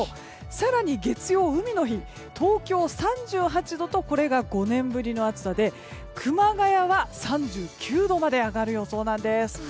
更に月曜、海の日東京、３８度とこれが５年ぶりの暑さで熊谷は３９度まで上がる予想なんです。